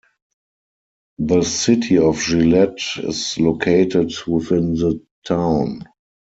The City of Gillett is located within the town.